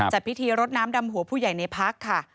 จัดพิธีรดน้ำดำหัวผู้ใหญ่ในพักค่ะ